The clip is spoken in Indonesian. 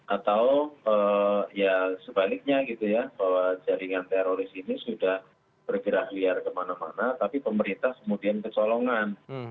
atau ya sebaliknya gitu ya bahwa jaringan teroris ini sudah bergerak liar kemana mana tapi pemerintah kemudian kecolongan